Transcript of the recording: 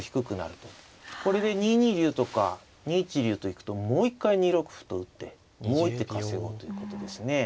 これで２二竜とか２一竜と行くともう一回２六歩と打ってもう一手稼ごうということですね。